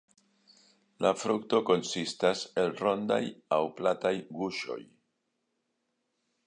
La frukto konsistas el rondaj aŭ plataj guŝoj.